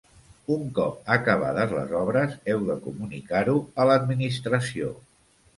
Un cop acabades les obres, heu de comunicar-ho a l'Administració.